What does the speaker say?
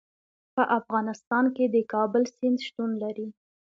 په افغانستان کې د کابل سیند شتون لري.